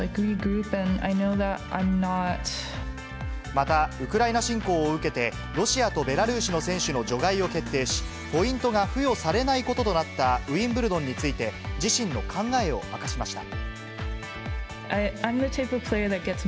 また、ウクライナ侵攻を受けて、ロシアとベラルーシの選手の除外を決定し、ポイントが付与されないこととなったウィンブルドンについて、自身の考えを明かしました。